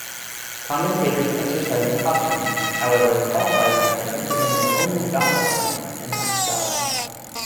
Commentators exercising caution, however, qualify them as representing only "godlike" beings, and not gods.